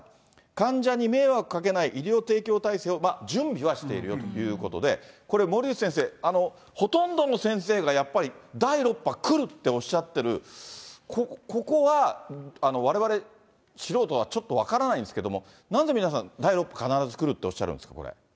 患者に迷惑かけない医療提供体制を準備はしているよということで、これ、森内先生、ほとんどの先生が、やっぱり第６波来るっておっしゃってる、ここはわれわれ素人はちょっと分からないんですけども、なぜ皆さん、第６波は必ず来るっておっしゃるんですか、これ。